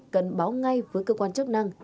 cần báo ngay với cơ quan chức năng